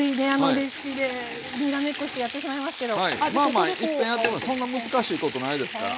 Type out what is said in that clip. まあまあいっぺんやってそんな難しいことないですから。